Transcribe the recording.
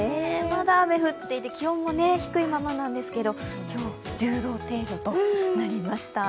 まだ雨降っていて、気温が低いままなんですけど今日、１０度程度となりました。